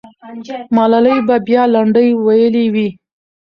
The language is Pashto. ملالۍ به بیا لنډۍ ویلې وې.